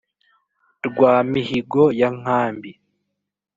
rwa mihigo ya nkambi,